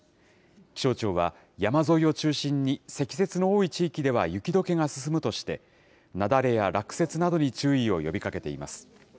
気象庁は、山沿いを中心に、積雪の多い地域では雪どけが進むとして、雪崩や落雪などに注意を呼びかけています。